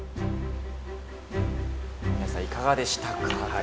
皆さんいかがでしたか？